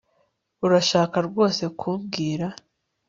Urashaka rwose kumbwira